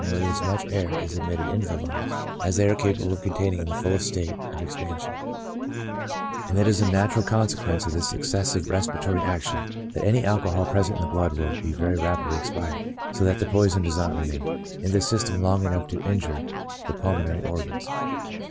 At each in spiration nearly as much air is admitted into the lungs, as they are capable of containing in the fullest state of expan sion ; and it is a natural consequence of this excessive res 172 ON THE ABUSE OF ALCOHOL piratory action, that any alcohol present in the blood will be very rapidly expired, so that the poison does not remain in the system long enough to injure the pulmonary organs.